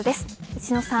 内野さん